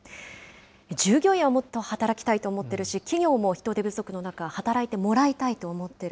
従業員はもっと働きたいと思っているし、企業も人手不足の中、働いてもらいたいと思ってる。